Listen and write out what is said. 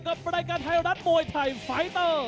กับรายการไทยรัฐมวยไทยไฟเตอร์